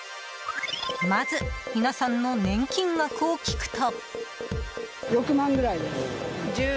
まず、皆さんの年金額を聞くと。